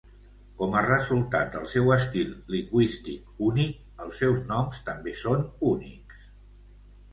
Com a resultat del seu estil lingüístic únic, els seus noms també són únics.